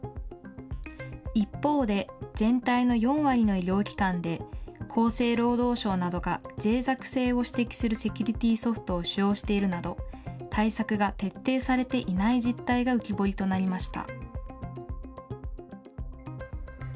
一方で全体の４割の医療機関で、厚生労働省などがぜい弱性を指摘するセキュリティーソフトを使用しているなど、対策が徹底されていない実態が浮き彫りとなりました。